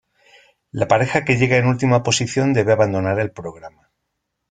La pareja que llega en última posición debe abandonar el programa.